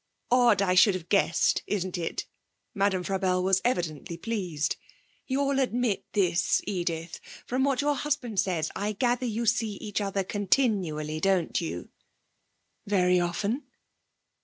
'Odd I should have guessed it, isn't it?' Madame Frabelle was evidently pleased. 'You'll admit this, Edith, from what your husband says I gather you see each other continually, don't you?' 'Very often.'